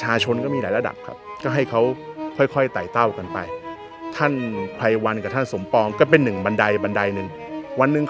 ถ้าจะส่งเสริมศาสนาก็ส่งเสริมยังเท่าเทรียมกันรัฐวางอุทธศาสตร์ให้ชัดศาสนามีหลายระดับ